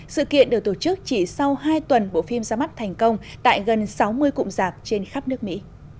sự kiện được tổ chức chỉ sau hai tuần bộ phim ra mắt thành công tại gần sáu mươi cụm giạc trên khắp nước mỹ